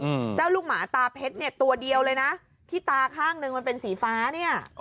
อืมเจ้าลูกหมาตาเพชรเนี้ยตัวเดียวเลยนะที่ตาข้างหนึ่งมันเป็นสีฟ้าเนี้ย